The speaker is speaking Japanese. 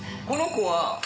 この子は。